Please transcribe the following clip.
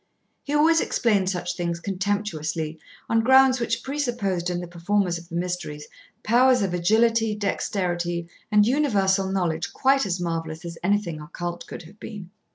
He always explained such things contemptuously on grounds which presupposed in the performers of the mysteries powers of agility, dexterity, and universal knowledge quite as marvellous as anything occult could have been.